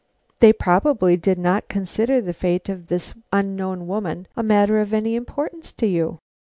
"They probably did not consider the fate of this unknown woman a matter of any importance to you."